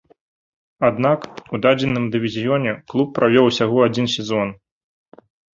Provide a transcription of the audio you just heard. Аднак, у дадзеным дывізіёне клуб правёў усяго адзін сезон.